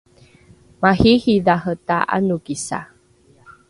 mariiridhare ta’anokisa